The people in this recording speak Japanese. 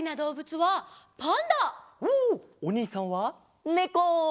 おにいさんはねこ！